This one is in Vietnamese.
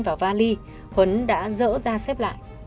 vào vali huấn đã dỡ ra xếp lại